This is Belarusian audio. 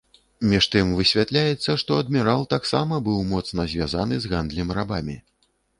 Між тым высвятляецца, што адмірал таксама быў моцна звязаны з гандлем рабамі.